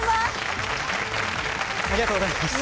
ありがとうございます。